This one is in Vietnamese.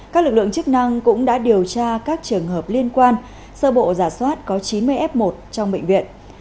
các lực lượng chức năng cũng đã điều tra các trường hợp liên quan sơ bộ giả soát có chín mươi f một trong bệnh viện